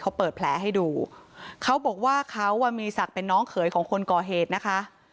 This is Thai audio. เขาเปิดแผลให้ดูเขาบอกว่าเขาอ่ะมีศักดิ์เป็นน้องเขยของคนก่อเหตุนะคะ